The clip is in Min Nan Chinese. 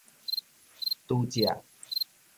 拄才